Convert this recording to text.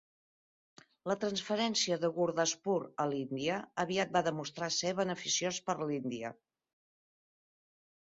La transferència de Gurdaspur a l'Índia aviat va demostrar ser beneficiós per l'Índia.